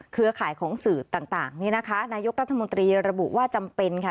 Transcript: เครือข่ายของสื่อต่างนี่นะคะนายกรัฐมนตรีระบุว่าจำเป็นค่ะ